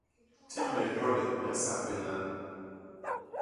Ti me hyole me nsas binan.